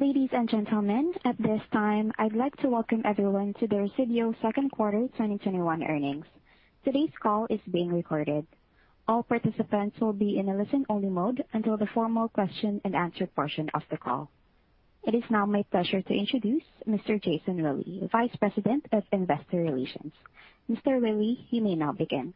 Ladies and gentlemen, at this time, I'd like to welcome everyone to the Resideo Second Quarter 2021 Earnings. Today's call is being recorded. All participants will be in a listen-only mode until the formal question and answer portion of the call. It is now my pleasure to introduce Mr. Jason Willey, Vice President of Investor Relations. Mr. Willey, you may now begin.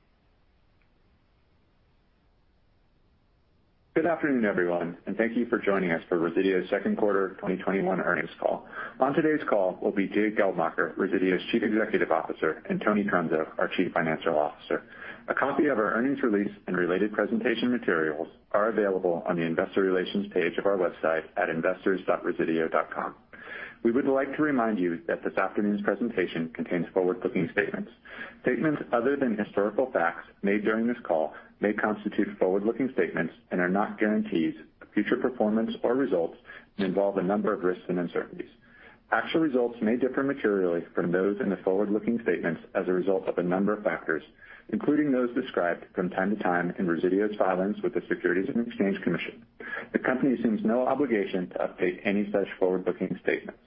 Good afternoon, everyone, and thank you for joining us for Resideo's Second Quarter 2021 Earnings Call. On today's call will be Jay Geldmacher, Resideo's Chief Executive Officer, and Tony Trunzo, our Chief Financial Officer. A copy of our earnings release and related presentation materials are available on the investor relations page of our website at investors.resideo.com. We would like to remind you that this afternoon's presentation contains forward-looking statements. Statements other than historical facts made during this call may constitute forward-looking statements and are not guarantees of future performance or results and involve a number of risks and uncertainties. Actual results may differ materially from those in the forward-looking statements as a result of a number of factors, including those described from time to time in Resideo's filings with the Securities and Exchange Commission. The company assumes no obligation to update any such forward-looking statements.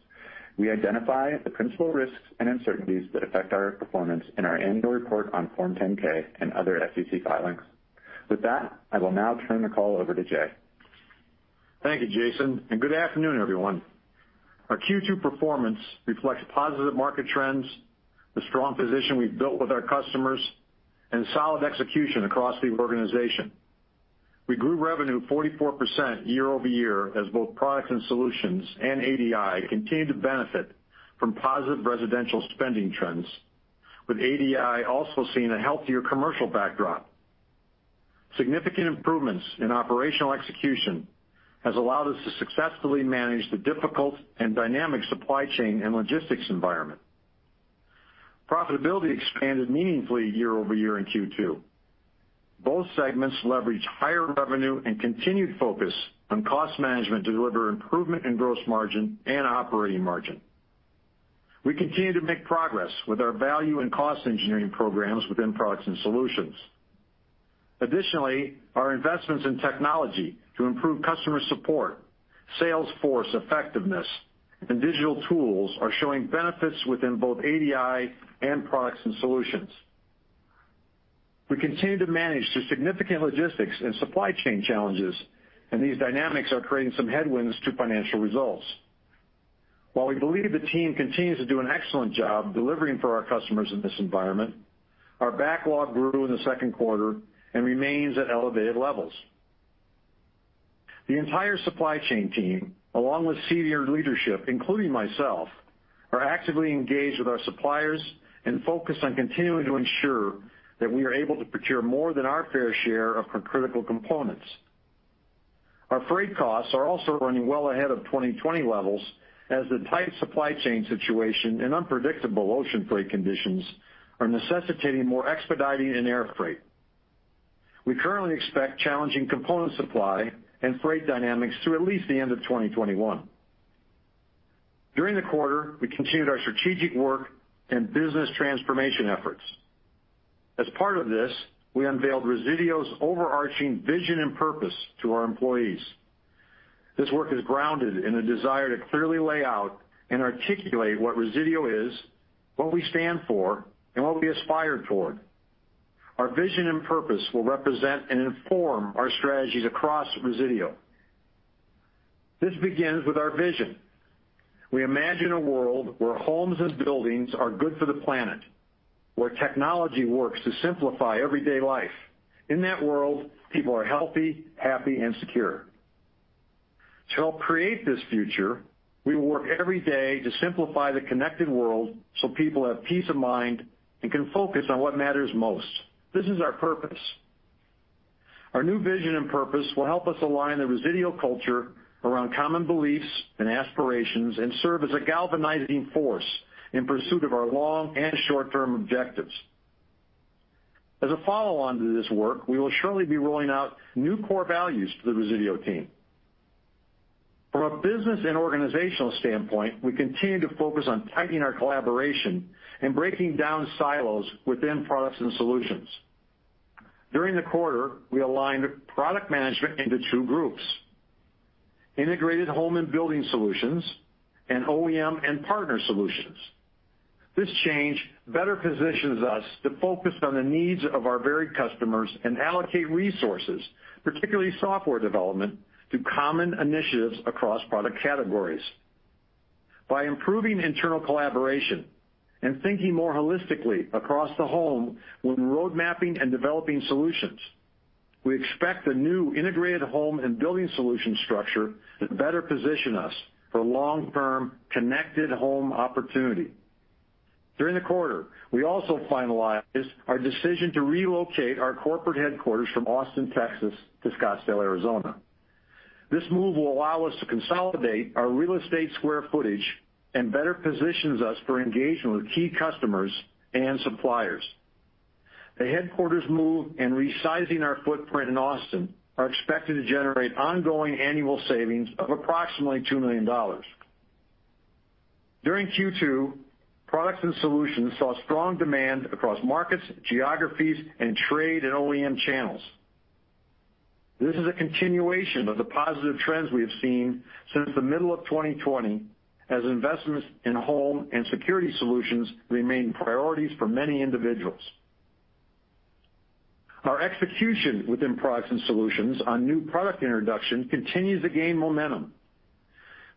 We identify the principal risks and uncertainties that affect our performance in our annual report on Form 10-K and other SEC filings. With that, I will now turn the call over to Jay. Thank you, Jason. Good afternoon, everyone. Our Q2 performance reflects positive market trends, the strong position we've built with our customers, and solid execution across the organization. We grew revenue 44% year-over-year as both Products & Solutions and ADI continued to benefit from positive residential spending trends, with ADI also seeing a healthier commercial backdrop. Significant improvements in operational execution has allowed us to successfully manage the difficult and dynamic supply chain and logistics environment. Profitability expanded meaningfully year-over-year in Q2. Both segments leveraged higher revenue and continued focus on cost management to deliver improvement in gross margin and operating margin. We continue to make progress with our value and cost engineering programs within Products & Solutions. Additionally, our investments in technology to improve customer support, sales force effectiveness, and digital tools are showing benefits within both ADI and Products & Solutions. We continue to manage through significant logistics and supply chain challenges. These dynamics are creating some headwinds to financial results. While we believe the team continues to do an excellent job delivering for our customers in this environment, our backlog grew in the second quarter and remains at elevated levels. The entire supply chain team, along with senior leadership, including myself, are actively engaged with our suppliers and focused on continuing to ensure that we are able to procure more than our fair share of critical components. Our freight costs are also running well ahead of 2020 levels as the tight supply chain situation and unpredictable ocean freight conditions are necessitating more expediting in air freight. We currently expect challenging component supply and freight dynamics through at least the end of 2021. During the quarter, we continued our strategic work and business transformation efforts. As part of this, we unveiled Resideo's overarching vision and purpose to our employees. This work is grounded in a desire to clearly lay out and articulate what Resideo is, what we stand for, and what we aspire toward. Our vision and purpose will represent and inform our strategies across Resideo. This begins with our vision. We imagine a world where homes and buildings are good for the planet, where technology works to simplify everyday life. In that world, people are healthy, happy, and secure. To help create this future, we will work every day to simplify the connected world so people have peace of mind and can focus on what matters most. This is our purpose. Our new vision and purpose will help us align the Resideo culture around common beliefs and aspirations and serve as a galvanizing force in pursuit of our long and short-term objectives. As a follow-on to this work, we will shortly be rolling out new core values to the Resideo team. From a business and organizational standpoint, we continue to focus on tightening our collaboration and breaking down silos within Products & Solutions. During the quarter, we aligned product management into two groups, Integrated Home and Building Solutions and OEM and Partner Solutions. This change better positions us to focus on the needs of our varied customers and allocate resources, particularly software development, to common initiatives across product categories. By improving internal collaboration and thinking more holistically across the home when road mapping and developing solutions, we expect the new Integrated Home and Building Solution structure to better position us for long-term connected home opportunity. During the quarter, we also finalized our decision to relocate our corporate headquarters from Austin, Texas, to Scottsdale, Arizona. This move will allow us to consolidate our real estate square footage and better positions us for engagement with key customers and suppliers. The headquarters move and resizing our footprint in Austin are expected to generate ongoing annual savings of approximately $2 million. During Q2, Products & Solutions saw strong demand across markets, geographies, and trade and OEM channels. This is a continuation of the positive trends we have seen since the middle of 2020, as investments in home and security solutions remain priorities for many individuals. Our execution within Products & Solutions on new product introduction continues to gain momentum.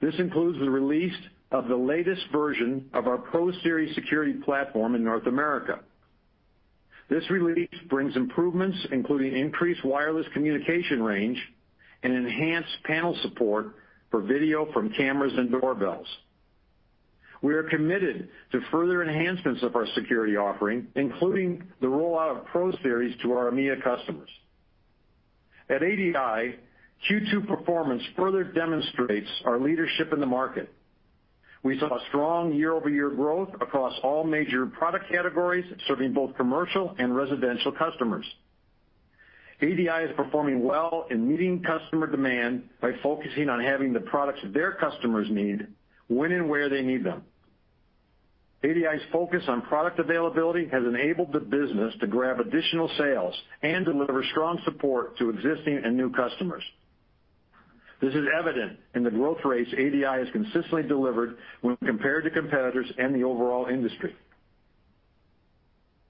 This includes the release of the latest version of our ProSeries security platform in North America. This release brings improvements, including increased wireless communication range and enhanced panel support for video from cameras and doorbells. We are committed to further enhancements of our security offering, including the rollout of ProSeries to our EMEA customers. At ADI, Q2 performance further demonstrates our leadership in the market. We saw strong year-over-year growth across all major product categories, serving both commercial and residential customers. ADI is performing well in meeting customer demand by focusing on having the products their customers need, when and where they need them. ADI's focus on product availability has enabled the business to grab additional sales and deliver strong support to existing and new customers. This is evident in the growth rates ADI has consistently delivered when compared to competitors and the overall industry.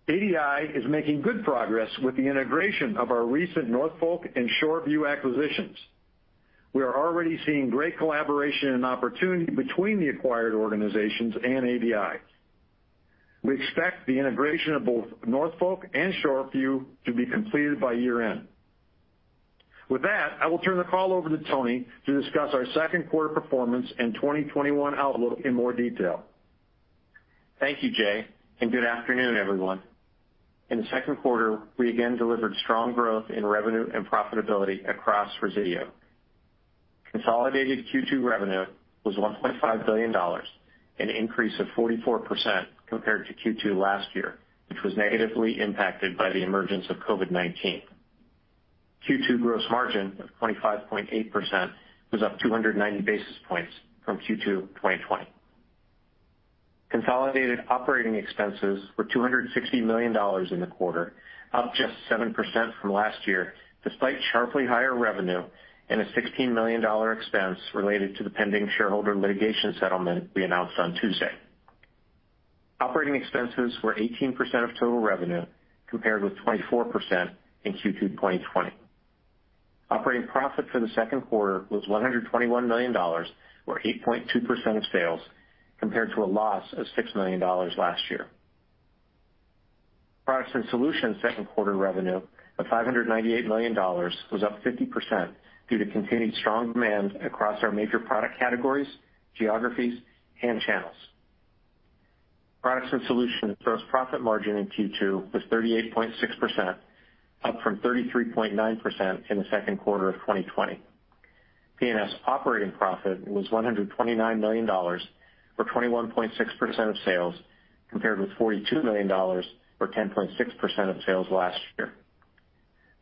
ADI is making good progress with the integration of our recent Norfolk and Shoreview acquisitions. We are already seeing great collaboration and opportunity between the acquired organizations and ADI. We expect the integration of both Norfolk and Shoreview to be completed by year-end. With that, I will turn the call over to Tony to discuss our second quarter performance and 2021 outlook in more detail. Thank you, Jay. Good afternoon, everyone. In the second quarter, we again delivered strong growth in revenue and profitability across Resideo. Consolidated Q2 revenue was $1.5 billion, an increase of 44% compared to Q2 last year, which was negatively impacted by the emergence of COVID-19. Q2 gross margin of 25.8% was up 290 basis points from Q2 2020. Consolidated operating expenses were $260 million in the quarter, up just 7% from last year, despite sharply higher revenue and a $16 million expense related to the pending shareholder litigation settlement we announced on Tuesday. Operating expenses were 18% of total revenue, compared with 24% in Q2 2020. Operating profit for the second quarter was $121 million, or 8.2% of sales, compared to a loss of $6 million last year. Products & Solutions second quarter revenue of $598 million was up 50% due to continued strong demand across our major product categories, geographies, and channels. Products & Solutions gross profit margin in Q2 was 38.6%, up from 33.9% in the second quarter of 2020. P&S operating profit was $129 million, or 21.6% of sales, compared with $42 million, or 10.6% of sales last year.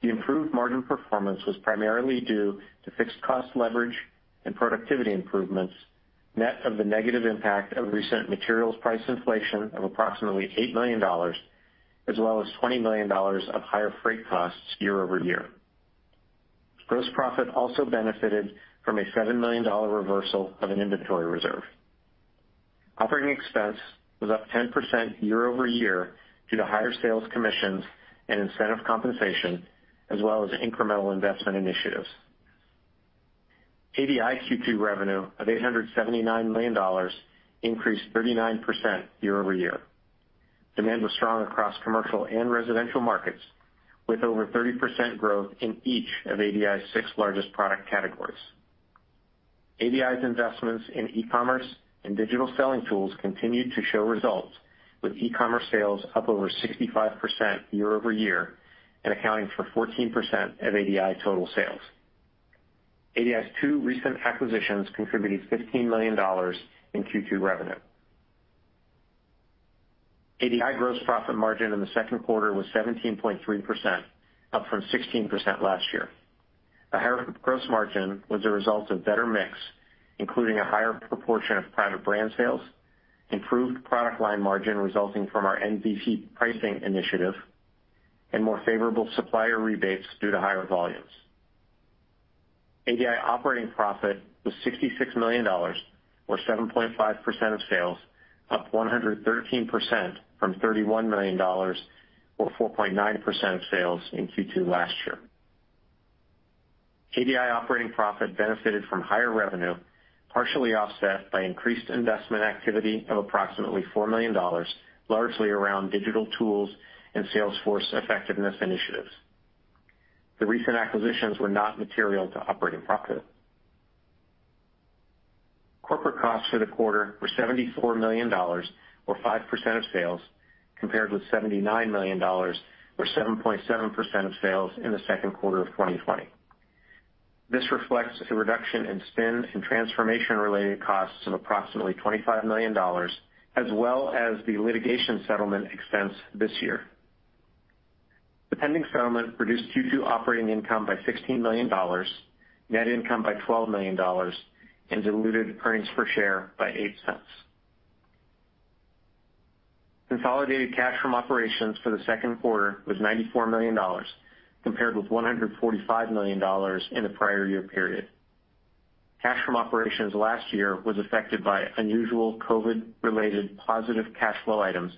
The improved margin performance was primarily due to fixed cost leverage and productivity improvements, net of the negative impact of recent materials price inflation of approximately $8 million, as well as $20 million of higher freight costs year-over-year. Gross profit also benefited from a $7 million reversal of an inventory reserve. Operating expense was up 10% year-over-year due to higher sales commissions and incentive compensation, as well as incremental investment initiatives. ADI Q2 revenue of $879 million increased 39% year-over-year. Demand was strong across commercial and residential markets, with over 30% growth in each of ADI's six largest product categories. ADI's investments in e-commerce and digital selling tools continued to show results, with e-commerce sales up over 65% year-over-year and accounting for 14% of ADI total sales. ADI's two recent acquisitions contributed $15 million in Q2 revenue. ADI gross profit margin in the second quarter was 17.3%, up from 16% last year. The higher gross margin was a result of better mix, including a higher proportion of private brand sales, improved product line margin resulting from our [NVP] pricing initiative, and more favorable supplier rebates due to higher volumes. ADI operating profit was $66 million, or 7.5% of sales, up 113% from $31 million, or 4.9% of sales in Q2 last year. ADI operating profit benefited from higher revenue, partially offset by increased investment activity of approximately $4 million, largely around digital tools and sales force effectiveness initiatives. The recent acquisitions were not material to operating profit. Corporate costs for the quarter were $74 million, or 5% of sales, compared with $79 million, or 7.7% of sales in the second quarter of 2020. This reflects a reduction in spend and transformation-related costs of approximately $25 million, as well as the litigation settlement expense this year. The pending settlement reduced Q2 operating income by $16 million, net income by $12 million, and diluted earnings per share by $0.08. Consolidated cash from operations for the second quarter was $94 million, compared with $145 million in the prior year period. Cash from operations last year was affected by unusual COVID-related positive cash flow items,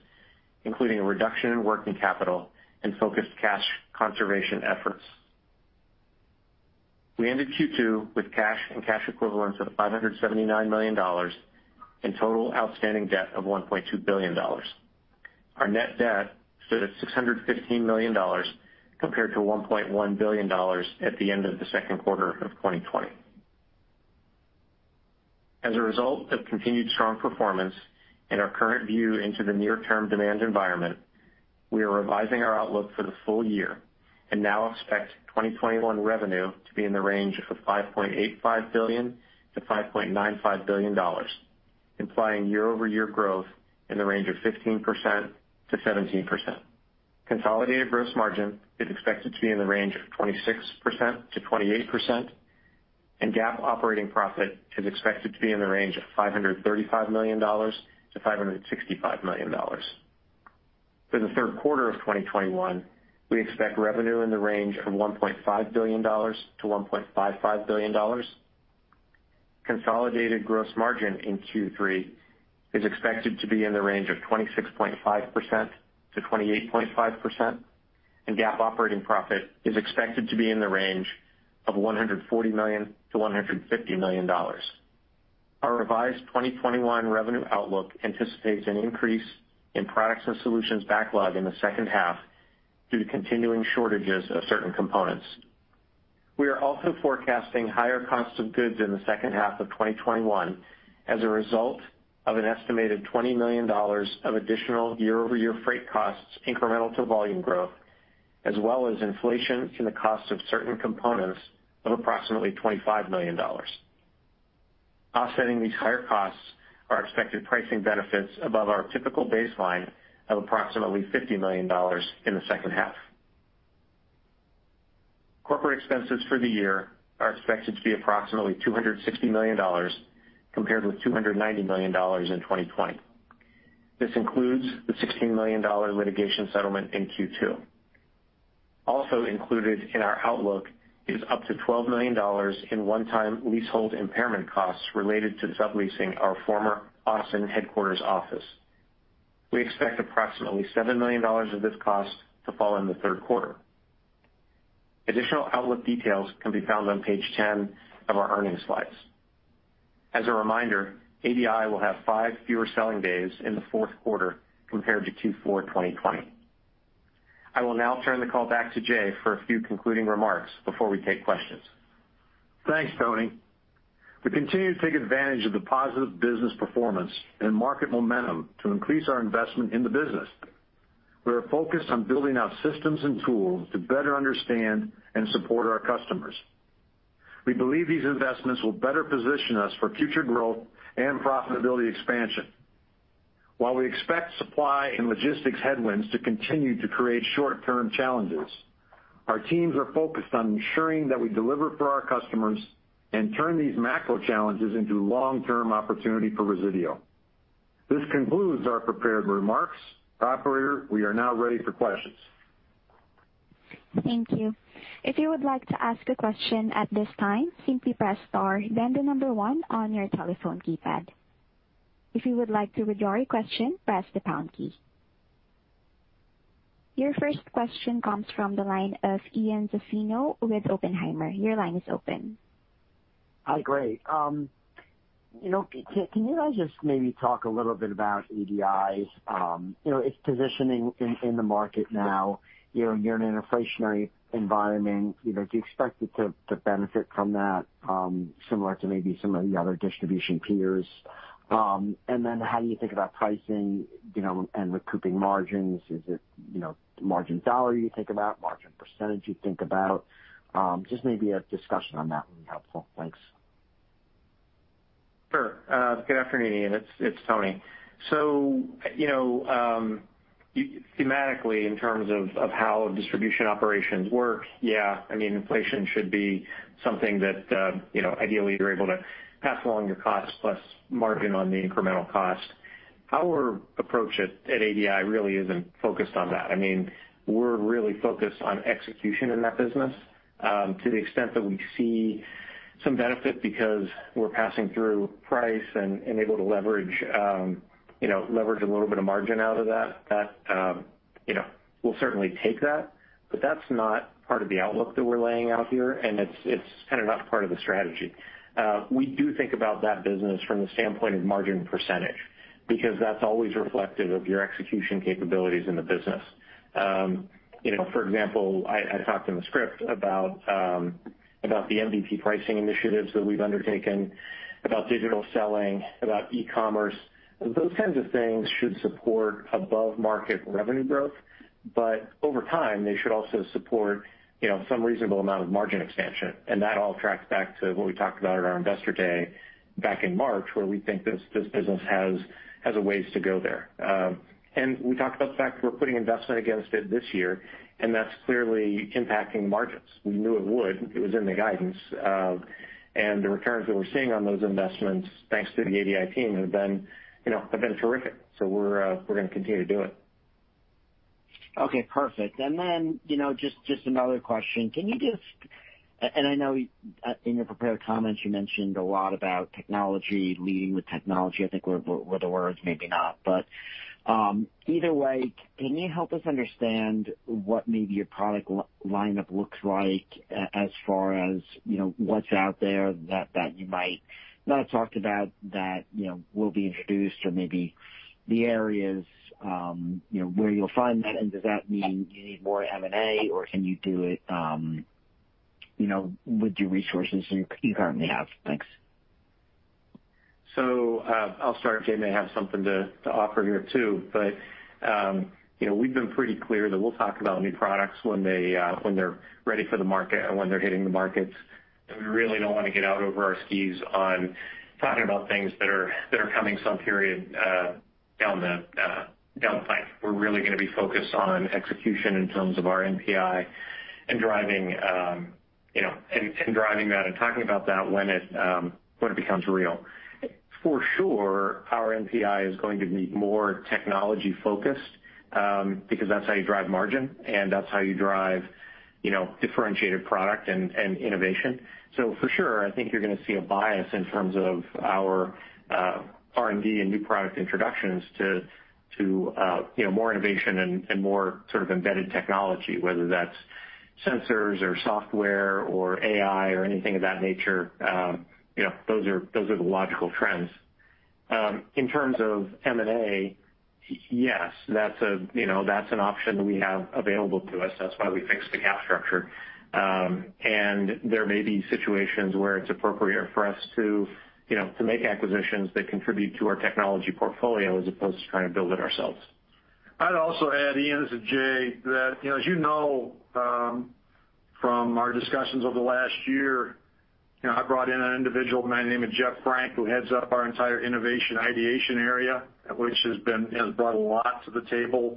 including a reduction in working capital and focused cash conservation efforts. We ended Q2 with cash and cash equivalents of $579 million and total outstanding debt of $1.2 billion. Our net debt stood at $615 million, compared to $1.1 billion at the end of Q2 2020. As a result of continued strong performance and our current view into the near-term demand environment, we are revising our outlook for the full year and now expect 2021 revenue to be in the range of $5.85 billion-$5.95 billion, implying year-over-year growth in the range of 15%-17%. Consolidated gross margin is expected to be in the range of 26%-28%, and GAAP operating profit is expected to be in the range of $535 million-$565 million. For Q3 2021, we expect revenue in the range of $1.5 billion-$1.55 billion. Consolidated gross margin in Q3 is expected to be in the range of 26.5%-28.5%, and GAAP operating profit is expected to be in the range of $140 million-$150 million. Our revised 2021 revenue outlook anticipates an increase in Products & Solutions backlog in the second half due to continuing shortages of certain components. We are also forecasting higher costs of goods in the second half of 2021 as a result of an estimated $20 million of additional year-over-year freight costs incremental to volume growth, as well as inflation in the cost of certain components of approximately $25 million. Offsetting these higher costs are expected pricing benefits above our typical baseline of approximately $50 million in the second half. Corporate expenses for the year are expected to be approximately $260 million, compared with $290 million in 2020. This includes the $16 million litigation settlement in Q2. Also included in our outlook is up to $12 million in one-time leasehold impairment costs related to subleasing our former Austin headquarters office. We expect approximately $7 million of this cost to fall in the third quarter. Additional outlook details can be found on page 10 of our earnings slides. As a reminder, ADI will have five fewer selling days in the fourth quarter compared to Q4 2020. I will now turn the call back to Jay for a few concluding remarks before we take questions. Thanks, Tony. We continue to take advantage of the positive business performance and market momentum to increase our investment in the business. We are focused on building out systems and tools to better understand and support our customers. We believe these investments will better position us for future growth and profitability expansion. While we expect supply and logistics headwinds to continue to create short-term challenges, our teams are focused on ensuring that we deliver for our customers and turn these macro challenges into long-term opportunity for Resideo. This concludes our prepared remarks. Operator, we are now ready for questions. Thank you. If you would like to ask a question at this time, simply press star then the number one on your telephone keypad. If you would like to withdraw your question, press the pound key. Your first question comes from the line of Ian Zaffino with Oppenheimer. Your line is open. Hi. Great. Can you guys just maybe talk a little bit about ADI's, its positioning in the market now? You're in an inflationary environment. Do you expect it to benefit from that, similar to maybe some of the other distribution peers? How do you think about pricing and recouping margins? Is it margin dollar you think about, margin percentage you think about? Just maybe a discussion on that would be helpful. Thanks. Sure. Good afternoon, Ian. It's Tony. Thematically, in terms of how distribution operations work, yeah, inflation should be something that ideally you're able to pass along your cost plus margin on the incremental cost. Our approach at ADI really isn't focused on that. We're really focused on execution in that business to the extent that we see some benefit because we're passing through price and able to leverage a little bit of margin out of that. We'll certainly take that, That's not part of the outlook that we're laying out here, and it's kind of not part of the strategy. We do think about that business from the standpoint of margin percentage, because that's always reflective of your execution capabilities in the business. For example, I talked in the script about the [NVP] pricing initiatives that we've undertaken about digital selling, about e-commerce. Those kinds of things should support above-market revenue growth. Over time, they should also support some reasonable amount of margin expansion, that all tracks back to what we talked about at our Investor Day back in March, where we think this business has a ways to go there. We talked about the fact that we're putting investment against it this year, that's clearly impacting margins. We knew it would. It was in the guidance. The returns that we're seeing on those investments, thanks to the ADI team, have been terrific. We're going to continue to do it. Okay, perfect. Just another question. I know in your prepared comments, you mentioned a lot about technology, leading with technology, I think were the words, maybe not. Either way, can you help us understand what maybe your product lineup looks like as far as what's out there that you might not have talked about that will be introduced? Maybe the areas where you'll find that? Does that mean you need more M&A, or can you do it with your resources you currently have? Thanks. I'll start. Jay may have something to offer here too. We've been pretty clear that we'll talk about new products when they're ready for the market and when they're hitting the markets. We really don't want to get out over our skis on talking about things that are coming some period down the pipe. We're really going to be focused on execution in terms of our NPI and driving that and talking about that when it becomes real. For sure, our NPI is going to be more technology-focused, because that's how you drive margin, and that's how you drive differentiated product and innovation. For sure, I think you're going to see a bias in terms of our R&D and new product introductions to more innovation and more sort of embedded technology, whether that's sensors or software or AI or anything of that nature. Those are the logical trends. In terms of M&A, yes. That's an option that we have available to us. That's why we fixed the cap structure. There may be situations where it's appropriate for us to make acquisitions that contribute to our technology portfolio as opposed to trying to build it ourselves. I'd also add, Ian, this is Jay, that as you know from our discussions over the last year, I brought in an individual by the name of Jeff Frank, who heads up our entire innovation ideation area, which has brought a lot to the table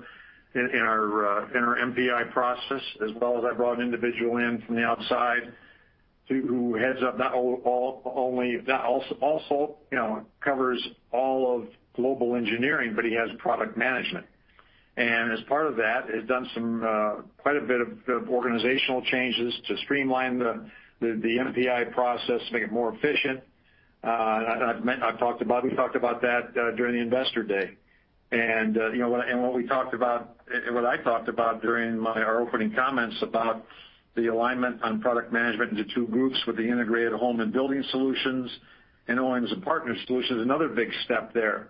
in our NPI process, as well as I brought an individual in from the outside who also covers all of global engineering, but he has product management. As part of that, has done quite a bit of organizational changes to streamline the NPI process to make it more efficient. We talked about that during the Investor Day. What I talked about during our opening comments about the alignment on product management into two groups with the Integrated Home and Building Solutions and OEM as a Partner Solutions is another big step there.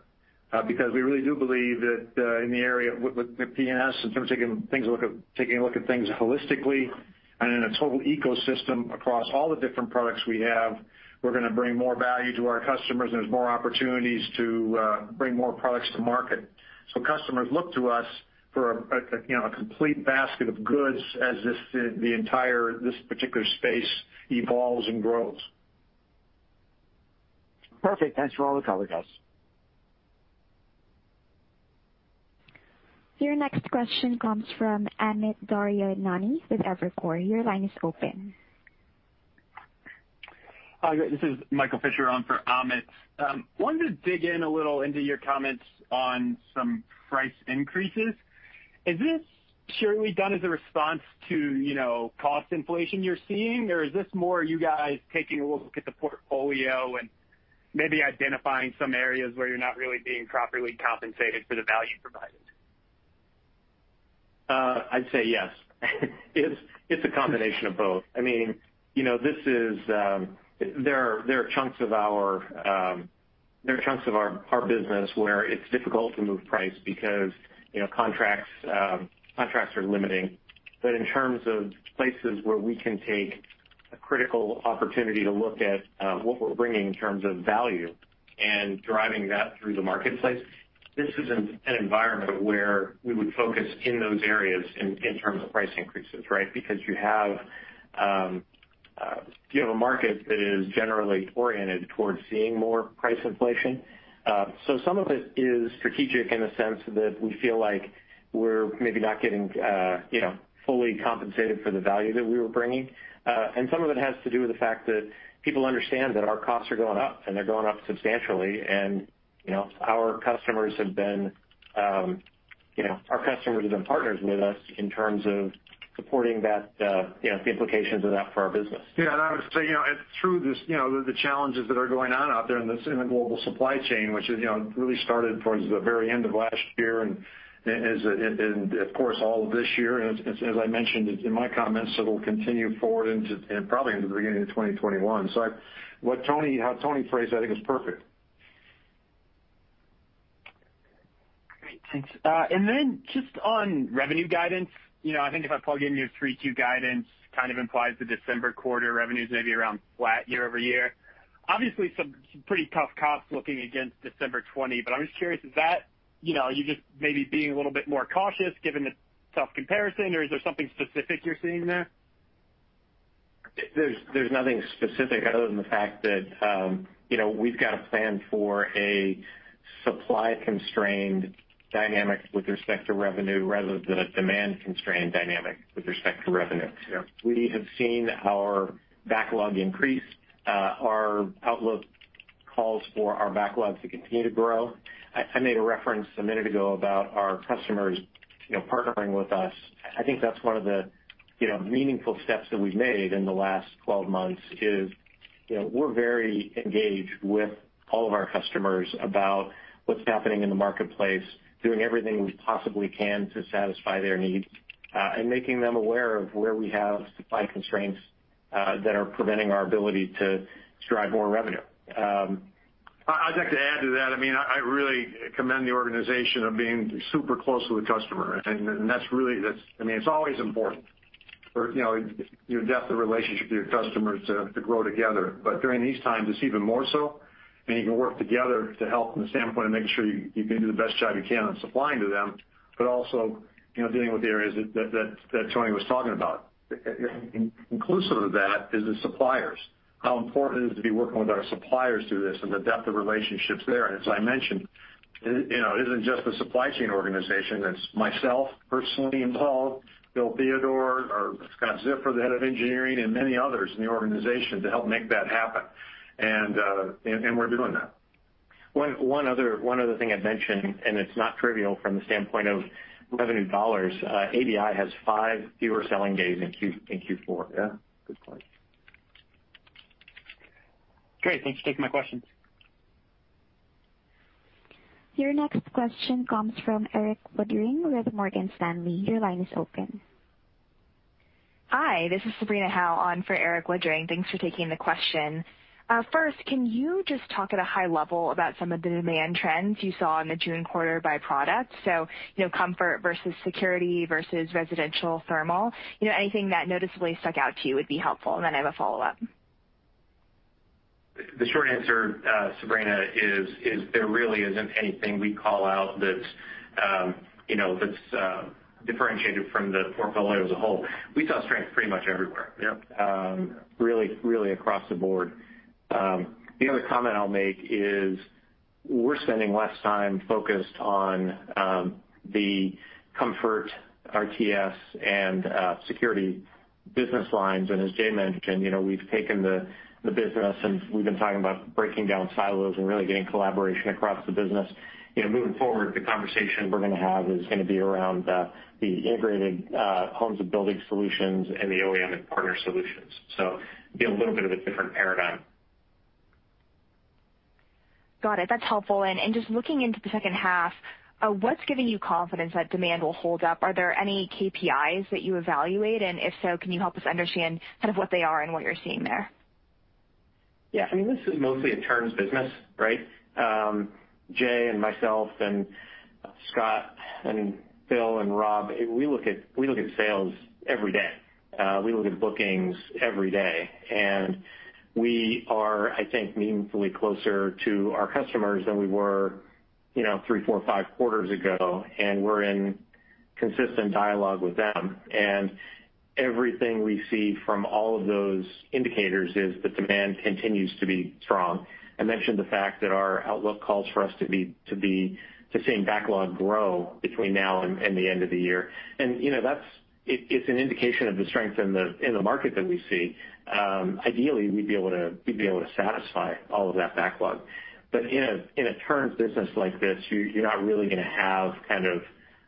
We really do believe that in the area with P&S, in terms of taking a look at things holistically and in a total ecosystem across all the different products we have, we're going to bring more value to our customers, and there's more opportunities to bring more products to market. Customers look to us for a complete basket of goods as this particular space evolves and grows. Perfect. Thanks for all the color, guys. Your next question comes from Amit Daryanani with Evercore. Your line is open. Hi, this is [Michael Fisher] on for Amit. Wanted to dig in a little into your comments on some price increases. Is this purely done as a response to cost inflation you're seeing, or is this more you guys taking a look at the portfolio and maybe identifying some areas where you're not really being properly compensated for the value provided? I'd say yes. It's a combination of both. There are chunks of our business where it's difficult to move price because contracts are limiting. In terms of places where we can take a critical opportunity to look at what we're bringing in terms of value and driving that through the marketplace, this is an environment where we would focus in those areas in terms of price increases, right? Because you have a market that is generally oriented towards seeing more price inflation. Some of it is strategic in the sense that we feel like we're maybe not getting fully compensated for the value that we were bringing. Some of it has to do with the fact that people understand that our costs are going up, and they're going up substantially. Our customers have been partners with us in terms of supporting the implications of that for our business. Yeah, I would say through the challenges that are going on out there in the global supply chain, which really started towards the very end of last year, and of course, all of this year, and as I mentioned in my comments, it'll continue forward and probably into the beginning of 2021. How Tony phrased that, I think is perfect. Great, thanks. Just on revenue guidance. I think if I plug in your 3Q guidance, kind of implies the December quarter revenue is maybe around flat year-over-year. Obviously, some pretty tough comps looking against December 2020. I'm just curious, is that you just maybe being a little bit more cautious given the tough comparison, or is there something specific you're seeing there? There's nothing specific other than the fact that we've got a plan for a supply-constrained dynamic with respect to revenue rather than a demand-constrained dynamic with respect to revenue. Yeah. We have seen our backlog increase, our outlook calls for our backlogs to continue to grow. I made a reference a minute ago about our customers partnering with us. I think that's one of the meaningful steps that we've made in the last 12 months, is we're very engaged with all of our customers about what's happening in the marketplace, doing everything we possibly can to satisfy their needs, and making them aware of where we have supply constraints that are preventing our ability to drive more revenue. I'd like to add to that. I really commend the organization of being super close to the customer, and that's always important, your depth of relationship with your customers to grow together. During these times, it's even more so, and you can work together to help from the standpoint of making sure you can do the best job you can on supplying to them, but also, dealing with the areas that Tony was talking about. Inclusive of that is the suppliers, how important it is to be working with our suppliers through this and the depth of relationships there. As I mentioned, it isn't just the supply chain organization. That's myself personally involved, Phil Theodore or Scott Ziffra, the head of engineering, and many others in the organization to help make that happen. We're doing that. One other thing I'd mention, and it's not trivial from the standpoint of revenue dollars, ADI has five fewer selling days in Q4. Yeah. Good point. Great. Thanks for taking my questions. Your next question comes from Erik Woodring with Morgan Stanley. Your line is open. Hi, this is Sabrina Hao on for Erik Woodring. Thanks for taking the question. First, can you just talk at a high level about some of the demand trends you saw in the June quarter by product? Comfort versus security versus residential thermal. Anything that noticeably stuck out to you would be helpful, and then I have a follow-up. The short answer, Sabrina, is there really isn't anything we'd call out that's differentiated from the portfolio as a whole. We saw strength pretty much everywhere. Yep. Really across the board. The other comment I'll make is we're spending less time focused on the comfort RTS and security business lines. As Jay mentioned, we've taken the business and we've been talking about breaking down silos and really getting collaboration across the business. Moving forward, the conversation we're going to have is going to be around the Integrated Home and Building Solutions and the OEM and Partner Solutions. Be a little bit of a different paradigm. Got it. That's helpful. Just looking into the second half, what's giving you confidence that demand will hold up? Are there any KPIs that you evaluate? If so, can you help us understand kind of what they are and what you're seeing there? Yeah. This is mostly a turns business, right? Jay and myself and Scott and Bill and Rob, we look at sales every day. We look at bookings every day. We are, I think, meaningfully closer to our customers than we were three, four, five quarters ago, and we're in consistent dialogue with them. Everything we see from all of those indicators is that demand continues to be strong. I mentioned the fact that our outlook calls for us to seeing backlog grow between now and the end of the year. It's an indication of the strength in the market that we see. Ideally, we'd be able to satisfy all of that backlog. In a turns business like this, you're not going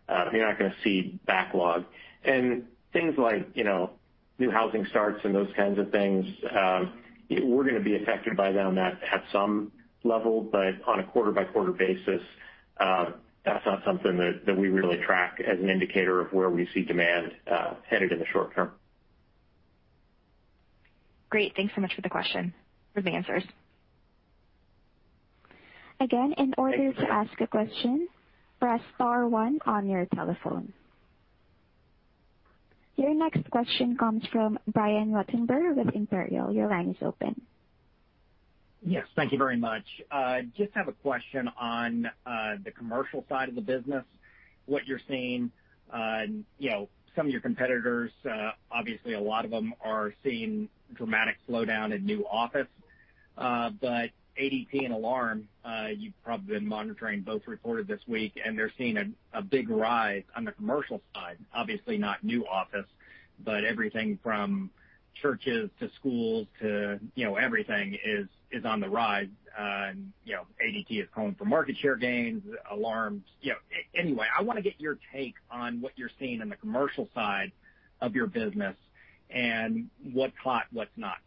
to see backlog. Things like new housing starts and those kinds of things, we're going to be affected by them at some level. On a quarter by quarter basis, that's not something that we really track as an indicator of where we see demand headed in the short term. Great. Thanks so much for the answers. Again, in order to ask a question, press star one on your telephone. Your next question comes from Brian Ruttenbur with Imperial. Your line is open. Yes. Thank you very much. Just have a question on the commercial side of the business, what you're seeing. Some of your competitors, obviously a lot of them are seeing dramatic slowdown in new office. ADT and Alarm, you've probably been monitoring, both reported this week, and they're seeing a big rise on the commercial side. Obviously not new office, but everything from churches to schools to everything is on the rise. ADT is calling for market share gains. Alarm. I want to get your take on what you're seeing on the commercial side of your business and what caught, what's not.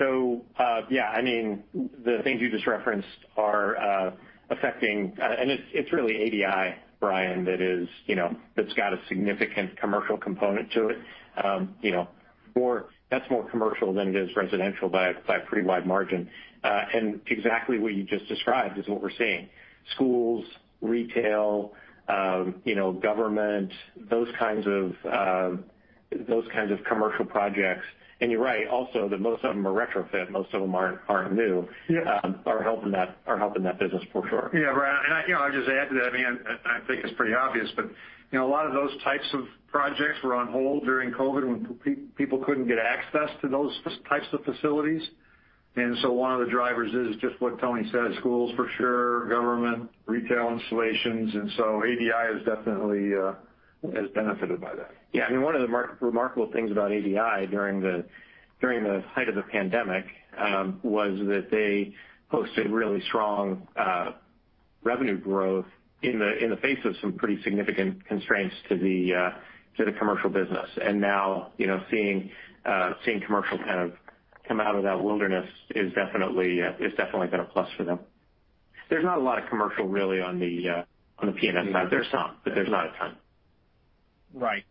Yeah, the things you just referenced are affecting. It's really ADI, Brian, that's got a significant commercial component to it. That's more commercial than it is residential by a pretty wide margin. Exactly what you just described is what we're seeing. Schools, retail, government, those kinds of commercial projects. You're right also that most of them are retrofit. Most of them aren't new. Yeah. Are helping that business for sure. Yeah, Brian, I'll just add to that. I think it's pretty obvious, a lot of those types of projects were on hold during COVID when people couldn't get access to those types of facilities. One of the drivers is just what Tony said, schools for sure, government, retail installations, and so ADI has definitely benefited by that. Yeah. One of the remarkable things about ADI during the height of the pandemic, was that they posted really strong revenue growth in the face of some pretty significant constraints to the commercial business. Now, seeing commercial kind of come out of that wilderness is definitely been a plus for them. There's not a lot of commercial really on the P&S side. There's some, but there's not a ton. Right.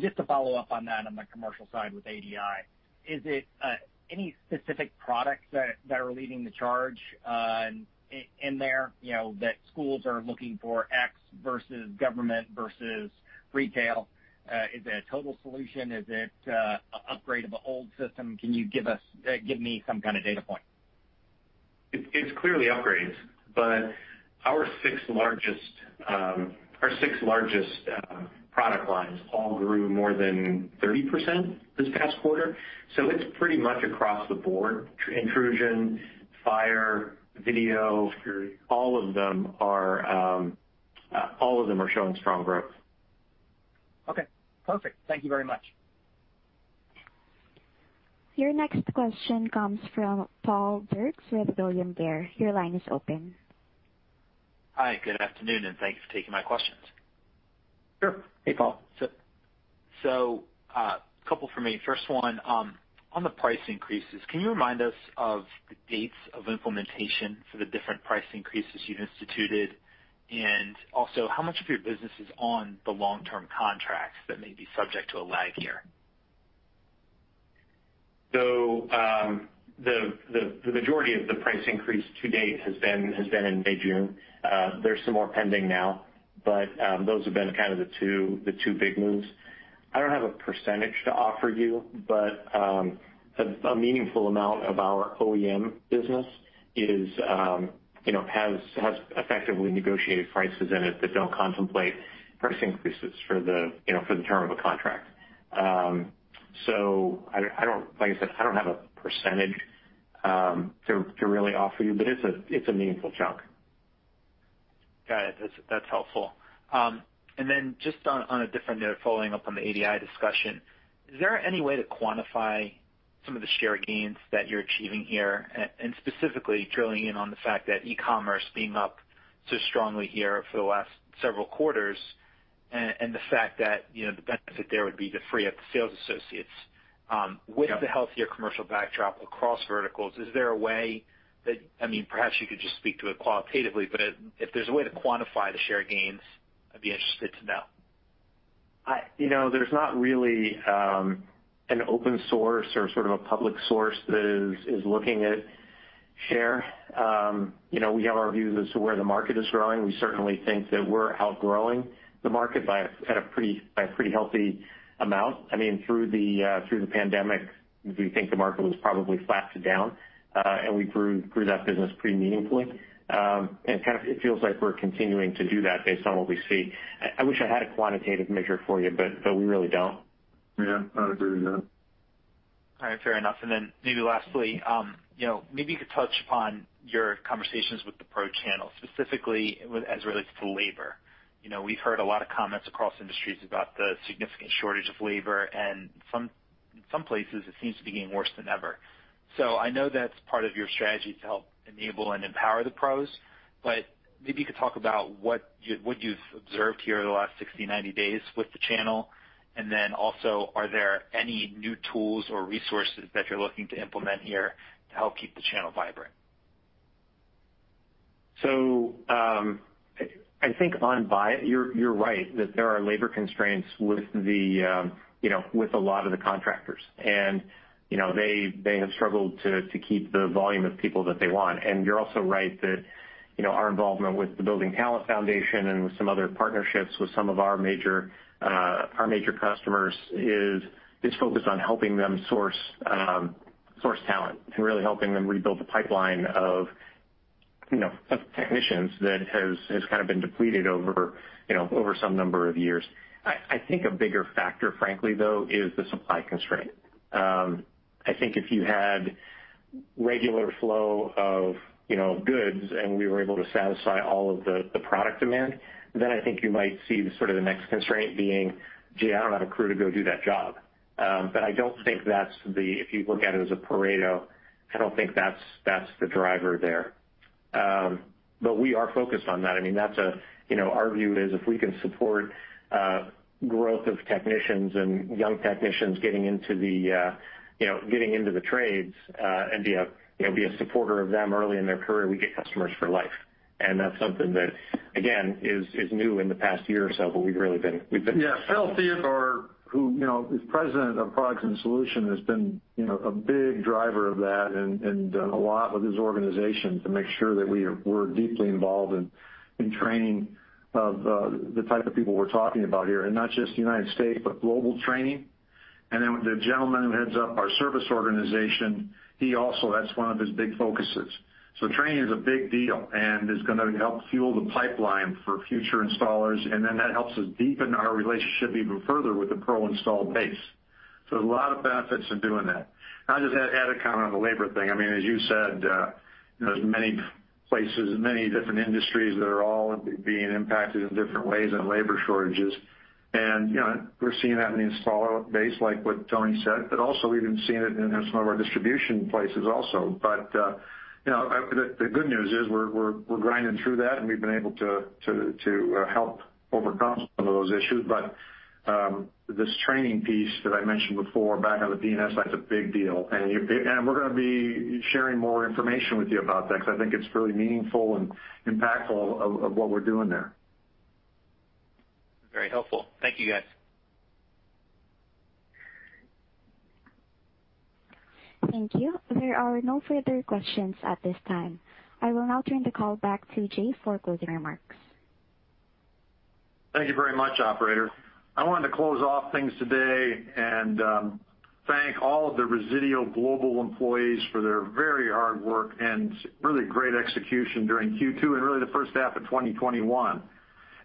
Just to follow up on that, on the commercial side with ADI, is it any specific products that are leading the charge in there, that schools are looking for X versus government versus retail? Is it a total solution? Is it upgrade of a old system? Can you give me some kind of data point? It's clearly upgrades, our six largest product lines all grew more than 30% this past quarter. It's pretty much across the board. Intrusion, fire, video. Security All of them are showing strong growth. Okay, perfect. Thank you very much. Your next question comes from Paul Dircks with William Blair. Your line is open. Hi, good afternoon, and thanks for taking my questions. Sure. Hey, Paul. Couple for me. First one, on the price increases, can you remind us of the dates of implementation for the different price increases you've instituted? How much of your business is on the long-term contracts that may be subject to a lag here? The majority of the price increase to date has been in mid-June. There's some more pending now, but those have been kind of the two big moves. I don't have a percentage to offer you, but a meaningful amount of our OEM business has effectively negotiated prices in it that don't contemplate price increases for the term of a contract. Like I said, I don't have a percentage to really offer you, but it's a meaningful chunk. Got it. That's helpful. Just on a different note, following up on the ADI discussion, is there any way to quantify some of the share gains that you're achieving here? Specifically drilling in on the fact that e-commerce being up so strongly here for the last several quarters and the fact that the benefit there would be to free up the sales associates. Yeah. With the healthier commercial backdrop across verticals, is there a way that, perhaps you could just speak to it qualitatively, but if there's a way to quantify the share gains, I'd be interested to know. There's not really an open source or sort of a public source that is looking at share. We have our views as to where the market is growing. We certainly think that we're outgrowing the market by a pretty healthy amount. Through the pandemic, we think the market was probably flat to down, and we grew that business pretty meaningfully. It feels like we're continuing to do that based on what we see. I wish I had a quantitative measure for you, but we really don't. Yeah, I'd agree with that. All right, fair enough. Maybe lastly, maybe you could touch upon your conversations with the pro channel, specifically as it relates to labor. We've heard a lot of comments across industries about the significant shortage of labor, and in some places, it seems to be getting worse than ever. I know that's part of your strategy to help enable and empower the pros, but maybe you could talk about what you've observed here the last 60, 90 days with the channel. Also, are there any new tools or resources that you're looking to implement here to help keep the channel vibrant? I think you're right that there are labor constraints with a lot of the contractors. They have struggled to keep the volume of people that they want. You're also right that our involvement with the Building Talent Foundation and with some other partnerships with some of our major customers is focused on helping them source talent and really helping them rebuild the pipeline of technicians that has kind of been depleted over some number of years. A bigger factor, frankly, though, is the supply constraint. I think if you had regular flow of goods and we were able to satisfy all of the product demand, then I think you might see sort of the next constraint being, "Gee, I don't have a crew to go do that job." I don't think that's the, if you look at it as a Pareto, I don't think that's the driver there. We are focused on that. Our view is if we can support growth of technicians and young technicians getting into the trades, and be a supporter of them early in their career, we get customers for life. That's something that, again, is new in the past year or so, but we've really been- Yeah. Phil Theodore, who is President of Products & Solutions, has been a big driver of that and done a lot with his organization to make sure that we're deeply involved in training of the type of people we're talking about here. Not just United States, but global training. The gentleman who heads up our service organization, he also, that's one of his big focuses. Training is a big deal and is gonna help fuel the pipeline for future installers. That helps us deepen our relationship even further with the pro install base. A lot of benefits in doing that. I'll just add a comment on the labor thing. As you said, there's many places and many different industries that are all being impacted in different ways on labor shortages. We're seeing that in the installer base, like what Tony said, but also we've been seeing it in some of our distribution places also. The good news is we're grinding through that, and we've been able to help overcome some of those issues. This training piece that I mentioned before back on the P&S side is a big deal. We're gonna be sharing more information with you about that because I think it's really meaningful and impactful of what we're doing there. Very helpful. Thank you, guys. Thank you. There are no further questions at this time. I will now turn the call back to Jay for closing remarks. Thank you very much, operator. I wanted to close off things today and thank all of the Resideo global employees for their very hard work and really great execution during Q2 and really the first half of 2021,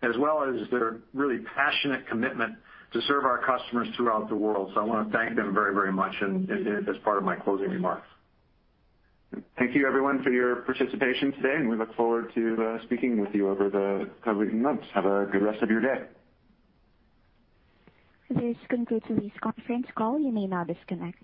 as well as their really passionate commitment to serve our customers throughout the world. I want to thank them very much as part of my closing remarks. Thank you everyone for your participation today, and we look forward to speaking with you over the coming months. Have a good rest of your day. This concludes today's conference call. You may now disconnect.